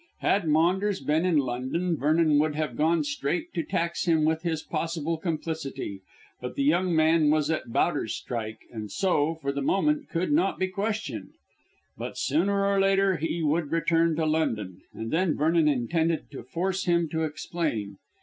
Had Maunders been in London Vernon would have gone straight to tax him with his possible complicity, but the young man was at Bowderstyke and so, for the moment, could not be questioned. But, sooner or later, he would return to London, and then Vernon intended to force him to explain.